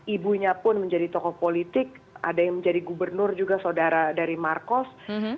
ibunya pun menjadi tokoh politik ada yang menjadi gubernur juga saudara dari marcos